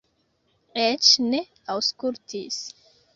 Eĉ ne aŭskultis.